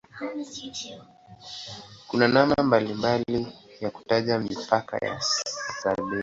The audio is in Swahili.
Kuna namna mbalimbali ya kutaja mipaka ya "Siberia".